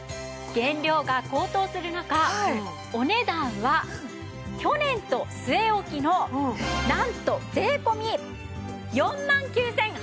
原料が高騰する中お値段は去年と据え置きのなんと税込４万９８００円です！